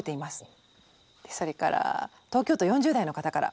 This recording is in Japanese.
それから東京都４０代の方から。